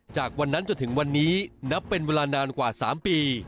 จากวันนั้นจนถึงวันนี้นับเป็นเวลานานกว่า๓ปี